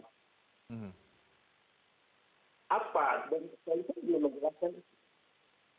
apa dan saya belum menjelaskan itu